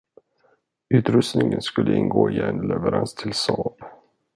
Utrustningen skulle ingå i en leverans till Saab.